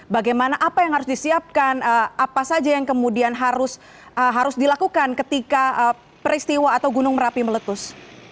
bagaimana apa yang harus disiapkan apa saja yang kemudian harus dilakukan ketika peristiwa atau gunung merapi meletus